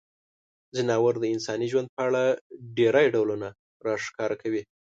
ځناور د انساني ژوند په اړه ډیری ډولونه راښکاره کوي.